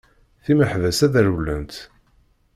Timeḥbas ad rewwlent!